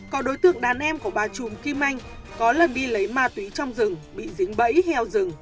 có đối tượng đàn em của bà trùm kim anh có lần đi lấy ma túy trong rừng bị dính bẫy heo rừng